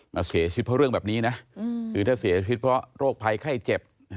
เสียชีวิตเพราะเรื่องแบบนี้นะคือถ้าเสียชีวิตเพราะโรคภัยไข้เจ็บ